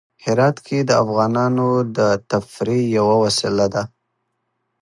هرات د افغانانو د تفریح یوه وسیله ده.